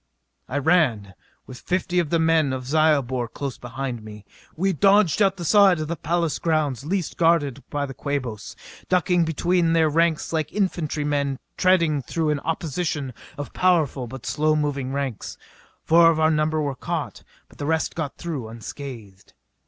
I ran, with fifty of the men of Zyobor close behind me. We dodged out the side of the palace grounds least guarded by the Quabos, ducking between their ranks like infantry men threading through an opposition of powerful but slow moving tanks. Four of our number were caught, but the rest got through unscathed.